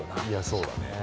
いやそうだね。